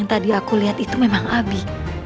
tadi aku liat itu memang abi